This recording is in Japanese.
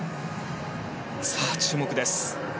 さあ、注目です